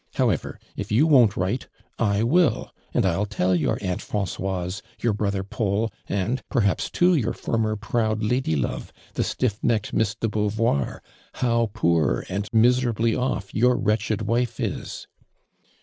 However, if you won't write, I will, and I'll tell your Aunt Fran coise, your brother Paul, and, perhaps too your former proud lady love, the stiff necked Miss (le Beauvoir, how poor and miserably ofl' your wretched wife is."